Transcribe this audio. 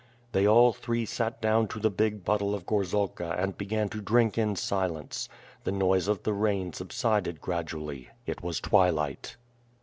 They all three sat down to the big bottle of gorzalka and began to drink in silence. The noise of the rain subsided gradually. It was twilight.